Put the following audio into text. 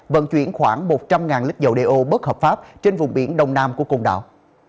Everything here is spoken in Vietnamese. vận chuyển khoảng một trăm linh lít dầu đeo bất hợp pháp trên vùng biển đông nam của côn đảo